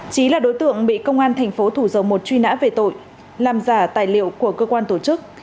chí là đối tượng bị công an tp thủ dầu một truy nã về tội làm giả tài liệu của cơ quan tổ chức